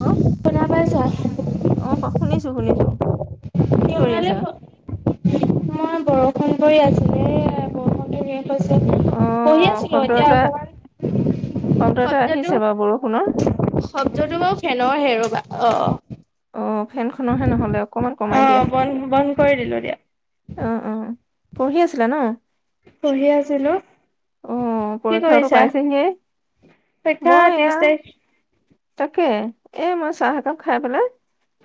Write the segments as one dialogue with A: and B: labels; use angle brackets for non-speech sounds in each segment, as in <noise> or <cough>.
A: ক
B: শুনা পাইছা?
A: অ' শুনিছো, শুনিছো। কি কৰি
B: তোমালে
A: আছা
B: মই বৰষুণ পৰি আছিলে বৰষুণতো শেষ
A: অ
B: হৈছেহে। পঢ়ি আছিলো এতিয়া অকমান
A: কম ততে
B: শব্দটো
A: ৰাখিছে বাৰু বৰষুণৰ
B: শব্দটো বাৰু ফেনৰহে ৰ'বা অ'।
A: অ' ফেনখনৰহে নহ'লে অকণমান
B: অ
A: কমাই দিয়া।
B: বন্ধ বন্ধ কৰি দিলো দিয়া।
A: অ' অ' পঢ়ি আছিলা ন?
B: পঢ়ি আছিলোঁ।
A: অ
B: কি
A: পৰীক্ষাতো
B: কৰিছা?
A: পাইছেহিয়ে
B: পৰীক্ষা
A: মই এয়া
B: ত্ৰিৰিচ তাৰিখ।
A: তাকে এ মই চাহ একাপ খাই পেলাই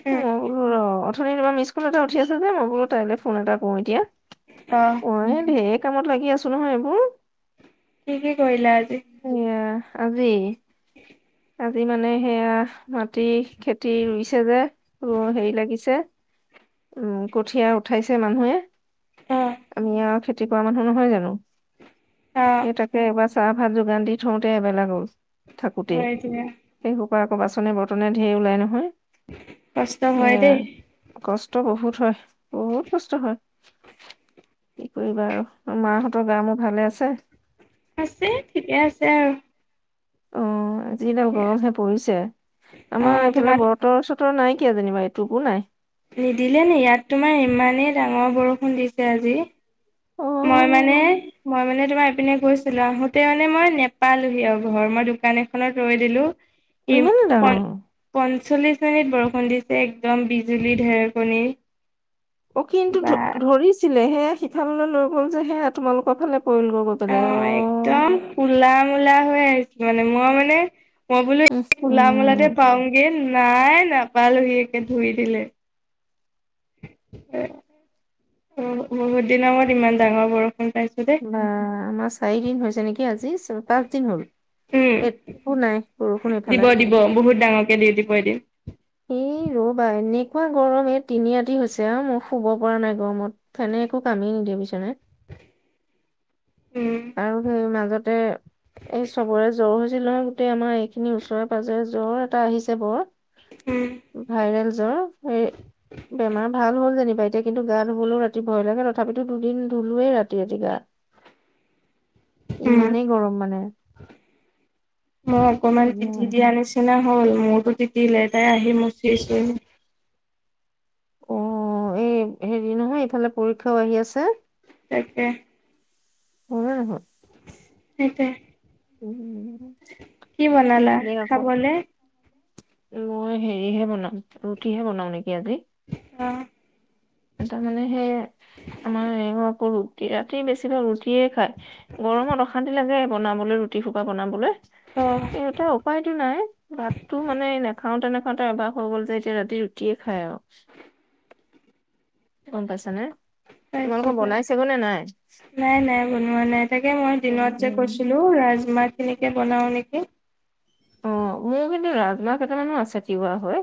B: উম
A: মই বোলো ৰহ অথনি তোমাৰ মিচ মিচ কল এটা উঠি আছে যে মই বোলো তাইলৈ ফোন এটা কৰো এতিয়া।
B: অ'
A: মই ঢেৰ কামত লাগি আছো নহয় এইবোৰ।
B: কি কি কৰিলা আজি।
A: এইয়া আজি। আজি মানে সেয়া মাটি খেতি ৰুইছে যে ৰ হেৰি লাগিছে। উম, কঠিয়াৰ উঠাইছে মানুহে।
B: অ
A: আমি আৰু খেতি কৰা মানুহ নহয় জানো।
B: অ'
A: সেই তাকে এবাৰ চাহ ভাত যোগান দি থওঁতে এবেলা গ'ল থাকোতে।
B: হয় দিয়া
A: সেই সোপা আকৌ বাচনে বৰ্তনে ধেৰ ওলাই নহয়
B: কষ্ট হয় দেই।
A: সেয়া কষ্ট। কষ্ট বহুত হয়, বহুত কষ্ট হয়। কি কৰিবা আৰু মাহঁতৰ গা মোৰ ভালে আছে।
B: আছে, ঠিকে আছে আৰু।
A: অ' যিডাল
B: দিয়া।
A: গৰমহে পৰিছে
B: অ
A: আমাৰ এইফালে
B: তোমাক
A: বৰত বতৰ চতৰ নাই কিয়া যেনিবা এটোপো নাই।
B: নিদিলে নে ইয়াত তোমাৰ ইমানেই ডাঙৰ বৰষুণ দিছে আজি।
A: অ'
B: মই মানে মই মানে তোমাৰ ইপিনে গৈছিলো আহোতে মানে মই নেপালোহি আৰু ঘৰ মই দোকান এখনত ৰৈ দিলো ই
A: ইমানে
B: প
A: ডাঙৰ
B: পঞ্চল্লিছ মিনিট বৰষুণ দিছে একদম বিজুলী ঢেৰকণী
A: অ কিন্তু ধ ধৰিছিলে সেয়া সিফাললৈ লৈ গ'ল যে সেয়া তোমালোকৰ ফালে পৰিল গৈ গৈ
B: অ একদম কলা মূলা হৈ আহিছিল মানে মই মানে মই বোলো
A: উম
B: কোলা মলাতে
A: উম
B: পাওঁগে নাই নাপালোহি একে ধুই দিলে অ বহুত দিনৰ মূৰত ইমান ডাঙৰ বৰষুণ পাইছো দেই
A: বা আমাৰ চাৰিদিন হৈছে নেকি আজি পাঁচ দিন হ'ল এই নাই বৰষুণ এইফালে
B: বহুতাঙৰকে ডিউটি কৰি দিম
A: এই ৰবা এনেকুৱা গৰম এই তিনিআতি হৈছে আৰু মই শুব পৰা নাই গৰমত খনে একো কামেই নিদিয়ে বিছনাট
B: উম
A: আৰু সেই মাজতে এই চবৰে জ্বৰ হৈছিল নহয় গোটেই আমাৰ এই খিনি ওচৰে পাজজৰে জ্বৰ এটা আহিছে বৰত
B: উম
A: ভাইৰেলৰ হে বেমাৰ ভাল হ'ল যেনিবা এতিয়া কিন্তু গ ধুবলৈও ৰাতি ভয় লাগে তথাপিতো দুদিন ধুলোৱয়েই ৰাতি ৰাতি গাহ
B: উম
A: গৰম
B: মই অকমান
A: মানে
B: পিঠি দা আনিছিলো নিচিনা হ'ল মোৰতো টতিলে তাই আহি মোৰ চি
A: অ এই হেৰি নহয় ইফালে পৰীক্ষাও আহি আছে
B: তাকে
A: হলে হল
B: সেইটা
A: উম
B: বনালা
A: শিকিলেই কাপ
B: খাবলে?
A: মই হেৰিহে বনাম ৰুটি হে বনাও নেকি আজি
B: অ
A: তাৰমানানে সেই আমাৰ এই আকৌ ৰুটি ৰাতি বেছিভাগ ৰুটিয়ে খায় গৰমত অশান্তি লাগে বনাবলৈ ৰুটি ফোপা বনাবলৈ
B: অঁ
A: টা উপায়তো নাই ভাতটো মানে নাখাওঁতে নাখাওঁতে এভাস হৈ গ'ল যে এতিয়া ৰাতি ৰুটিয়ে খায় আৰু গম পাইছা নে
B: পাইছো
A: তোমালোকৰ
B: পাই
A: বনাই চাগে নে নাই হয়
B: নাই নাই বনোৱা নাই তাকে মই দিনত যে কৈছিলো ৰাজমাত খিনিকে বনাও নেকি
A: অ মোৰ কিন্তু ৰাজমা কেইটামানো আছে তিৱা হৈ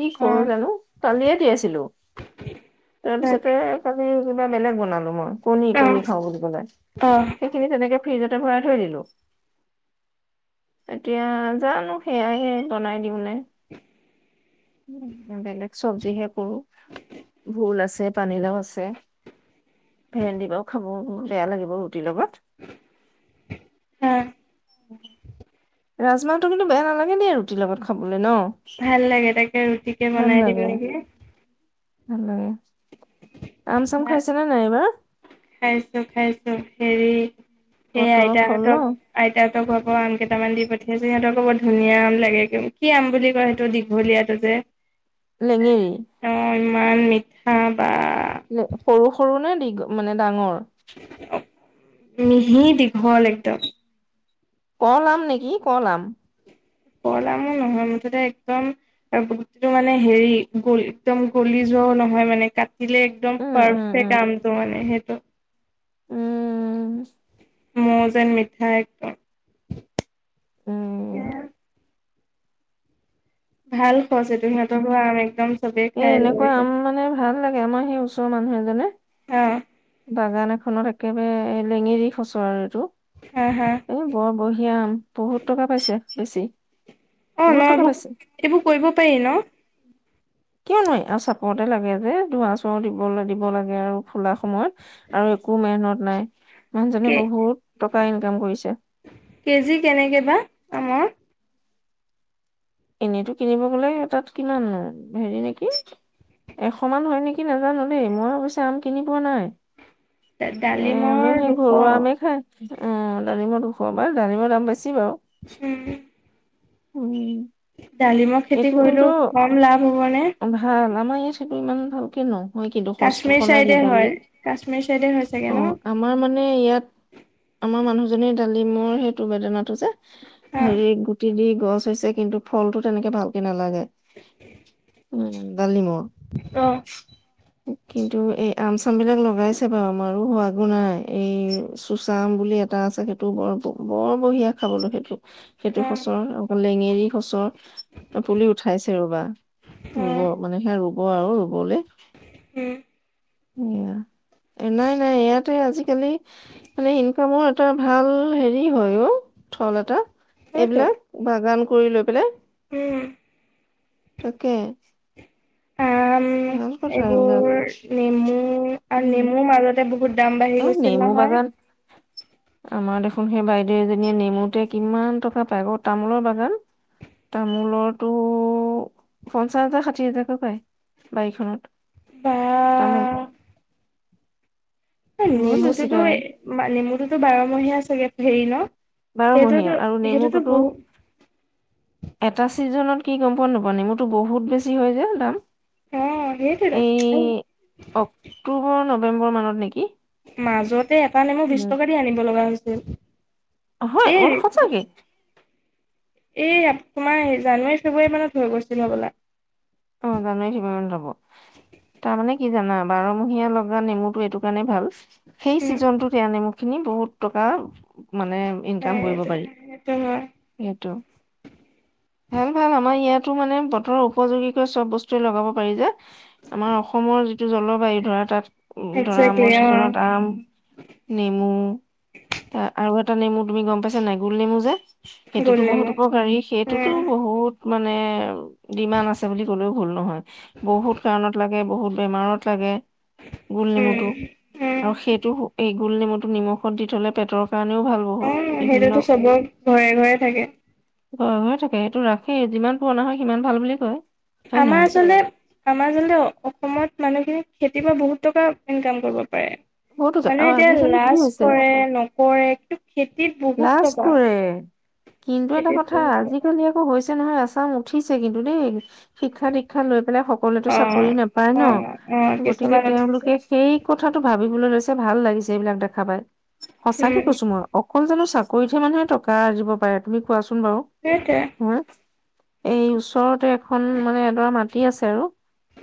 A: কি কৰো
B: অ',
A: জানো কালিয়ে দিয়াইছিলো
B: তাক
A: তাৰপিছতে কালি কিবা বেলেগ বনালো মই কণী
B: অ',
A: কণী খাওঁ বুলি কলে
B: অ',
A: সেইখিনি তেনেকে ফ্ৰিজতে ভৰাই থৈ দিলো এতিয়া জানো সেয়া হে বনাই দিওঁ নে বেলেগ চবজিহে কৰো ভোল আছে পানীলাও আছে ভেন্দী খাহ দিবও খাব বেয়া লাগিব ৰুটিৰ লগত
B: অ
A: <inaudible> ৰাজমাহটো কিন্তু বেয়া নালাগে দেই ৰুটিৰ লগত খাবলৈ ন
B: ভাল লাগে তাকে ৰুটিকে
A: ভাল
B: বনাই দিম
A: লাগে
B: নেকী
A: আম চাম
B: ভাত
A: খাইছে নে নাই এইবাৰ
B: খাইছো খাইছো হেৰি সেই
A: বতৰৰ ফল ন
B: আইতাহঁতক আইতাহতক ঘৰ পৰা আম কেইটামান দি পঠিয়াইছো সিহঁতক বৰ ধুনীয়া আম লাগে কি আম বুলি কয় সেইটো দি ভলিয়া তু যে
A: লেঙেৰি
B: অ ইমান মিঠা বা
A: সৰু সৰু নে দি মানে ডাঙৰ
B: মিহি দীঘল একদম
A: ক আম নেকি ক আম
B: ক আম নহয় মুঠতে একদম আৰু গোটিটো মানে হেৰি গলি একদম গলি যোৱাও নহয় মানে কাট দিলে একদম
A: উম উম উম
B: পাৰফেক্ট আমটো মানে সেইটো
A: উম
B: মৌ যেন মিঠাই একদম
A: উম
B: ভাল সছ এইটো সিহঁতৰ ঘৰৰ আম একদম চবেই
A: এ
B: খাই লৈ
A: এনেকুৱা
B: যায়
A: আম মানে ভাল লাগে আমাৰ সেই ওচৰৰ মানুহ এজনে
B: অ
A: বাগান এখনত একেবাৰে লেঙেৰি খচৰ আৰু এইটো
B: হা হা
A: বৰ বঢ়িয়া আম বহুত টকা পাইছে বেছি
B: অ ন
A: বহুত টকা
B: এইবোৰ
A: পাইছে
B: এইবোৰ কৰিব পাৰি ন
A: কিয় নোবাৰি আৰু চাপৰতে লাগে যে ধোবা ছোৱা দিব লাগে আৰু ফুলা সময়ত আৰু একো মেহনত নাই
B: কে
A: মানুহজনে বহুত টকা ইনকাম কৰিছে
B: কে জি কেনেকৈ বা আমাৰ
A: এনেইতো কিনিব গলে তাত কিমান নো হেৰি নেকি এশ মান হয় নেকি নাজানো দেই মই অৱশ্যে আম কিনি পোৱা নাই
B: ডালিমৰ দুশ
A: উম ডালিমৰ দুশ বাৰু ডালিমৰ দাম বেছি বাৰু
B: উম উম
A: উম
B: ডালিমখ খেতি
A: এইটো কিন্তু
B: কৰিলেও কম লাভ হব নে
A: ভাল আমাৰ ছেটো ইমান ভাল ক নো হয় কিন্তু সচটো
B: কাশ্মীৰ
A: সলাই
B: চাইডে হয়
A: দালিম
B: কাশ্মীৰ চাইডে হয় চাগে
A: অ
B: ন
A: আমাৰ মানে ইয়াত আমাৰ মানুহজনীৰ ডালিমৰ সেইটো বেদনাাতটো যে
B: অ
A: হেৰি গুটি দি গছ হৈছে কিন্তু ফলটো তেনেকে ভালকে নালাগে দালিমৰ
B: অ
A: কিন্তু এই আম চাম বিলাক লগাইছে বাৰু আমাৰো হোৱাগো নাই এই চোচা আম বুলি এই এটা আছে সেইটো বৰ বৰ বঢ়িয়া খাবলৈ সেইটো সেইটো
B: অ
A: খচৰ লেঙেৰি খচৰ পুলি উঠাইছে ৰবা
B: অ
A: ৰুব মানে সেয়া ৰুব আৰু ৰুবলৈ
B: হম
A: সয়া নাই নাই ইয়াতে আজিকালি মানে ইনকামৰ এটা ভাল হেৰি হয় অ থল এটা
B: হয়তো
A: এইবিলাক বাগান কৰি লৈ পেলাই
B: উম
A: তাকে
B: আম
A: ভাল কথা
B: এইবোৰ
A: এইবিলাক
B: নেমু আৰু
A: উম
B: নেমুৰ মাজতে বহুত দাম
A: অ
B: বাঢ়ি গৈছিল
A: নেমু
B: নহয়
A: বাগান আমাৰ দেখোন সেই বাইদেউ এজনীয়ে নেমুতে কিমান টকা পায় আৌ তামোলৰ বাগান তামোলতো পঞ্চাশ হাজাৰ ষাঠি হাজাৰকে পায় বাৰীখনত
B: বা
A: তামোল বহুত বেছি
B: নেমুটোতো
A: পায়
B: নেমুটোতো বাৰমহীয়া চাগে হেৰি ন সেইটোতো
A: বাৰমহীয়া আৰু
B: সেইটোতো
A: নেমুটোতো
B: বহুত
A: এটা ছিজনত কি গম পোৱা নাপোৱা নেমুতো বহুত বেছি হয় যে দাম
B: অ সেইছিল
A: এই অক্টোবৰ নৱেম্বৰ মানত নেকি
B: মাজতে এটা নেমু
A: উম,
B: বিশ টকা দি আনিব লগা হৈছিল
A: হয়
B: এই
A: অ সঁচাকে
B: এই তোমাৰ জানুৱাৰী ফেব্ৰুৱাৰী মানত হৈ গৈছিল হ'বলা।
A: অ' জানুৱাৰী ফেব্ৰুৱাৰী মানত হ'ব। তাৰ মানে কি জানা বাৰমহীয়া লগা নেমুটো এইটো কাৰণে ভাল সেই
B: উম
A: চিজনটোত এয়া নেমু খিনি বহুত টকা মানে ইনকাম কৰিব
B: সেইটোৱে
A: পাৰি।
B: সেইটো হয়
A: সেইটো। ভাল ভাল আমাৰ ইয়াতো মানে বতৰৰ উপযোগী চব বস্তুৱে লগাব পাৰি যে, আমাৰ অসমৰ যিটো জলবায়ু ধৰা তাত উম ধৰা
B: একজেক্টলি
A: আমৰ
B: অ
A: চিজনত আম। নেমু তা আৰু এটা নেমু তুমি গম পাইছা নে নাই গোল নেমু যে। সেইটোতো
B: গোল
A: বহুত
B: নেমু
A: উপকাৰী সেইটোতো
B: উম
A: বহুত মানে ডিমাণ্ড আছে বুলি ক'লেও ভুল নহয় বহুত কাৰণত লাগে বহুত বেমাৰত লাগে। গোল
B: উম
A: নেমুটো
B: উম
A: আৰু সেইটো এই গোল নেমুটো নিমখত দি থ'লে পেটৰ কাৰণেও ভাল।
B: অ'
A: বহুত বিভিন্ন
B: সেইটোতো চবৰ ঘৰে ঘৰে থাকে।
A: ঘৰে ঘৰে থাকে সেইটো ৰাখেই যিমান পুৰণা হয় সিমান ভাল বুলি কয়। হয়
B: আমাৰ
A: নহয়
B: আচলতে আমাৰ আচলতে অসমত মানুহখিনি খেতিৰ পৰা বহুত টকা ইনকাম কৰিব পাৰে।
A: বহুতো আৰু
B: মানে এতিয়া
A: আজিকালি কি
B: লাজ
A: হৈছে
B: কৰে নকৰে খেতিত বহ
A: লাজ কৰে। কিন্তু এটা
B: খেতিত
A: কথা
B: বহুত টকা
A: আজিকালি আকৌ হৈছে নহয় আছাম উঠিছে কিন্তু দেই। শিক্ষা দীক্ষা লৈ পেলাই সকলোৱতো
B: অ',
A: চাকৰি নাপায় ন
B: অ', অ',
A: গতিকে
B: কিছুমান উঠিছে
A: তেওঁলোকে সেই কথাটো ভাবিবলৈ লৈছে ভাল লাগিছে এইবিলাক দেখা পাই সঁচাকে
B: উম,
A: কৈছো মই। অকল জানো চাকৰিতহে মানুহে টকা আৰ্জিব পাৰে তুমি কোৱাচোন বাৰু।
B: সেইটোৱে
A: হা এই ওচৰতে এখন মানে এডৰা মাটি আছে আৰু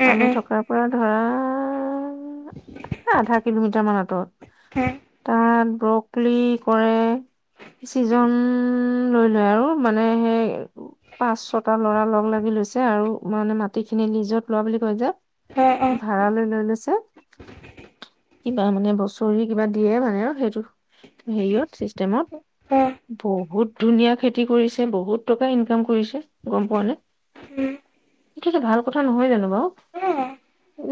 B: উম,
A: আমি
B: উম,
A: থকাৰ পৰা ধৰা এ আধা কিলোমিটাৰ মান আঁতৰত
B: উম,
A: তাত ব্ৰকলি কৰে। চিজন লৈ লয় আৰু মানে সেই পাঁচ ছটা ল'ৰা লগ লাগি লৈছে আৰু মানে মাটিখিনি লিজত লোৱা বুলি কৈ যে
B: অ', অ'।
A: ভাড়ালে লৈ লৈছে। কিবা মানে বছৰি কিবা দিয়ে মানে আৰু সেইটো হেৰিয়ত চিষ্টেমত।
B: অ',
A: বহুত ধুনীয়া খেতি কৰিছে, বহুত টকা ইনকাম কৰিছে গম পোৱা নে?
B: উম।
A: এইটো ভাল কথা নহয় জানো বাৰু
B: অ',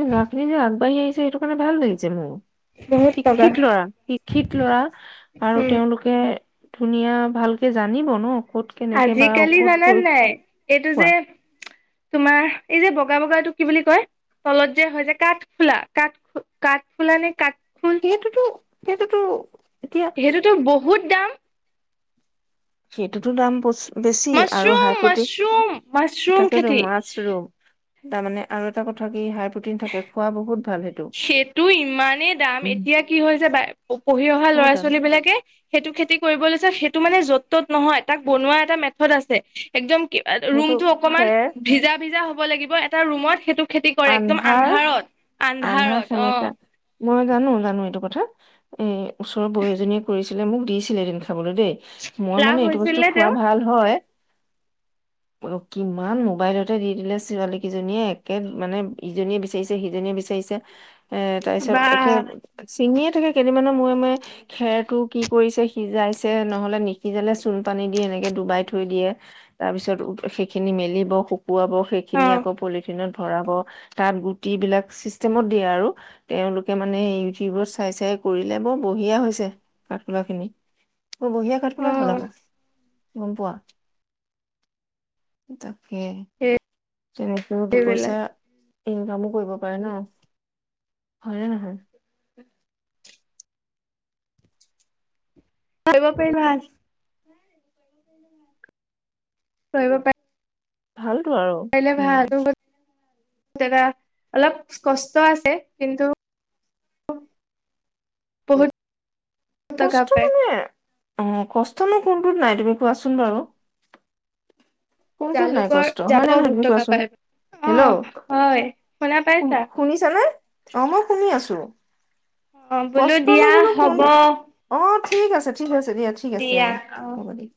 A: এই ল'ৰাখিনি যে আগবাঢ়ি আহি সেইটো কাৰণে ভাল লাগিছে মোৰ,
B: বহুত বগা
A: শিক্ষিত ল'ৰা, শিক্ষিত ল'ৰা আৰু
B: উম,
A: তেওঁলোকে ধুনীয়া ভালকে জানিব ন ক'ত কেনেকে বা
B: আজিকালি
A: ঔষধ
B: জানা
A: প্ৰয়োগ
B: নাই এইটো
A: কোৱা
B: যে তোমাৰ এই যে বগা বগাটোক কি বুলি কয় তলত যে হয় হৈছে কাঠফুলা কাঠ কাঠ ফুলা নে কাঠ
A: সেইটোতো সেইটোতো এতিয়া
B: সেইটোতো বহুত দাম।
A: সেইটোতো দাম বেছি আৰু
B: মাছৰুম,
A: হাই
B: মাছৰুম, মাছৰুম
A: প্ৰতো
B: খেতি
A: মাছ ৰম তাৰ মানে আৰু এটা কথা কি হাই প্ৰটিন থাকে খোৱা বহুত ভাল হেই
B: সেইটো ইমানেই দাম এতিয়া কি হৈছে বা পঢ়ি অহা
A: বহুত
B: ল'ৰা
A: দাম
B: ছোৱালী বিলাকে সেইটো খেতি কৰিব লৈছে সেইটো মানে য'ত ত'ত নহয় তাক বনোৱা এটা মেথড আছে। একদম
A: সেইটো
B: ৰুমটো অকমান
A: খেৰ
B: ভিজা ভিজা হ'ব লাগিব এটা ৰুমত সেইটো খেতি কৰে একদম
A: আন্ধাৰ
B: আন্ধাৰত
A: আন্ধাৰ
B: আন্ধাৰত
A: সেমেকা
B: অ'।
A: মই জানো জানো এইটো কথা এ ওচৰৰ বুঢ়ী এজনীয়ে কৰিছিলে মোক দিছিলে এদিন খাবলৈ দেই। মই
B: লাভ
A: মানে এইটো
B: হৈছিল
A: বস্তু
B: নে
A: খোৱা
B: তেওঁৰ
A: ভাল হয় অ' কিমান মোবাইলতে দি দিলে ছোৱালী কেইজনীয়ে একে মানে ইজনীয়ে বিচাৰিছে সিজনীয়ে বিচাৰিছে এ তাৰপিছত
B: বা
A: একে চিঙিয়ে থাকে কেেই মানে মই মই খেৰটো কি কৰিছে সিজাইছে নহলে নিসিজালে চূণ পানী দি এনেকে ডুবাই থৈ দিয়ে তাৰ পিছত সেইখিনি মেলিব শুকুৱাব
B: অ
A: সেইখিনি আকৌ পলিথিনত ধৰাব তাত গুট বিিলাক চিষ্টেমত দিয়ে আৰু তেওঁলোকে মানে ইউটিউবত চাই চাই কৰিলে বৰ বঢ়িয়া হৈছে পঠখুলা খিনি অ বঢহিয়া
B: অ
A: ঘাটফুলা হ'ল আকৌ গম পোৱা তাকে তেনেকৈ দুপইচা
B: সেইবিলাক
A: ইনকামো কৰিব পাৰে ন হয়নেে নহয়
B: কৰিব প ভাল
A: উম
B: তব
A: ভালতো আৰু
B: পাৰে
A: উম
B: ভাল দাদা অলপ কষ্ট আছে কিন্তু বহুত টকা
A: কষ্ট
B: পায়
A: মানে অ কষ্ট মো কোনটোত নাই তুমি কোৱাচোন বাৰু কোনচোন নাই
B: জালুকৰ
A: কষ্ট হয়নে
B: জালুকৰ
A: নহয়
B: বহুত
A: তুমি
B: টকা
A: কোৱাচোন
B: পায় অ'
A: হেল্ল'
B: হয় শুনা পাইছা
A: শুনিছ ানে অ মই শুনি আছো
B: অ' বোলো
A: কষ্ট
B: দিয়া
A: নবোলো কোন
B: হ'ব
A: অ ঠিক আছে ঠিক আছে দিয়া ঠিক আছে অ হ'ব দিয়া